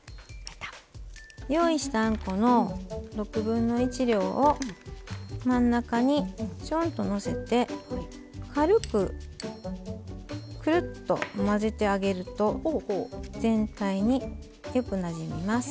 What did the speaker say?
用意した６分の１量を真ん中に、ちょんとのせて軽く、くるっと混ぜてあげると全体によくなじみます。